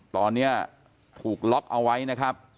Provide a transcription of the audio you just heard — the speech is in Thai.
ตอนนี้ถูกล็อกเอาไว้นะครับ